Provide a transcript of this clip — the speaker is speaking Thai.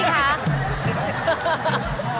พี่คะ